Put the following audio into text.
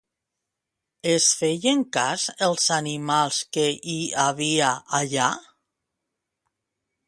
Es feien cas els animals que hi havia allà?